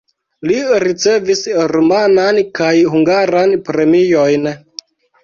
Li ricevis rumanan kaj hungaran premiojn.